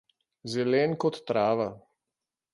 Zelen kot trava.